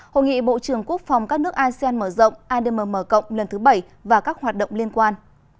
hội nghị bộ trưởng quốc phòng các nước asean mở rộng admm cộng lần thứ bảy và các hoạt động liên quan